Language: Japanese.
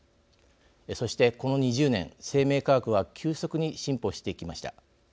そして、この２０年、生命科学は急速に進歩してきました。